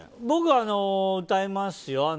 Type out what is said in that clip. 僕は歌いますよ。